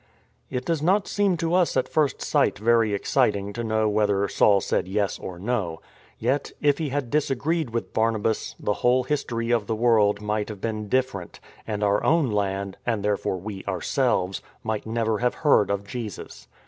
" It does not seem to us at first sight very exciting to know whether Saul said " Yes " or " No." Yet, if he had disagreed with Barnabas, the whole history of the world might have been different, and our own land (and therefore we, ourselves) might never have heard of Jesus.